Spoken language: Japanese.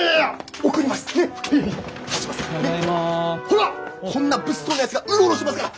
こんな物騒なやつがうろうろしてますから。